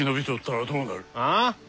ああ？